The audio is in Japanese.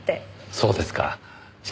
そうですか。